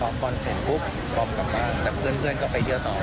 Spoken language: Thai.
พอบอลเสร็จปุ๊บบอมกลับบ้านแต่เพื่อนก็ไปเที่ยวต่อ